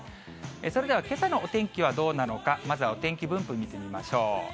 それではけさのお天気はどうなのか、まずはお天気分布、見てみましょう。